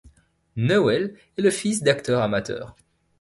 Newell est le fils d'acteurs amateurs.